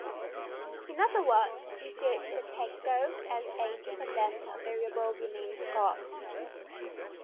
In other words, research that takes goals as a dependent variable remains scarce.